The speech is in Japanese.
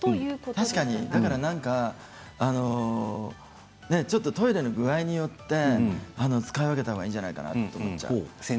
確かにちょっとトイレの具合によって使い分けた方がいいんじゃないかなと思っちゃう。